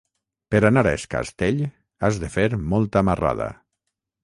Per anar a Es Castell has de fer molta marrada.